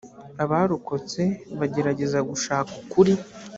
abarokotse bagerageza gushaka ukuri